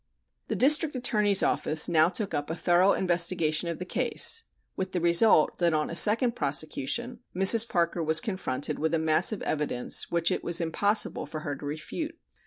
The District Attorney's office now took up a thorough investigation of the case, with the result that on a second prosecution Mrs. Parker was confronted with a mass of evidence which it was impossible for her to refute.